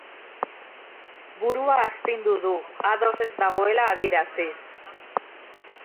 Burua astindu du, ados ez dagoela adieraziz.